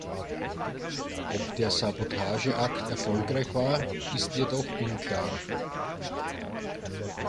Ob der Sabotageakt erfolgreich war, ist jedoch unklar.